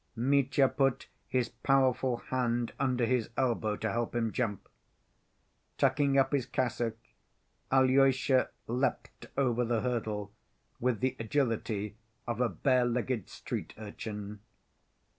Mitya put his powerful hand under his elbow to help him jump. Tucking up his cassock, Alyosha leapt over the hurdle with the agility of a bare‐ legged street urchin.